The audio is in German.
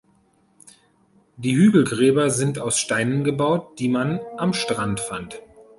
Die Hügelgräber sind aus Steinen gebaut, die man am Strand fand.